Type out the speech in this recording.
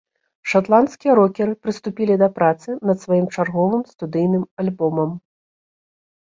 Шатландскія рокеры прыступілі да працы над сваім чарговым студыйным альбомам.